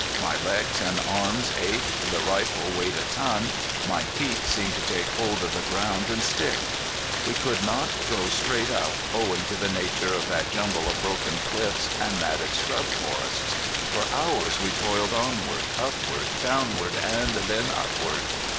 My legs and arms ached; the rifle weighed a ton; my feet seemed to take hold of the ground and stick. We could not go straight up owing to the nature of that jumble of broken cliffs and matted scrub forests. For hours we toiled onward, upward, downward, and then upward.